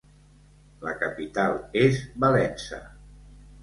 La capital és Valença.